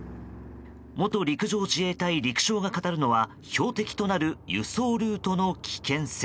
元陸上自衛隊陸将が語るのは標的となる輸送ルートの危険性。